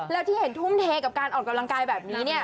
แล้วที่เห็นทุ่มเทกับการออกกำลังกายแบบนี้เนี่ย